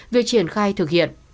việc triển khai thực hiện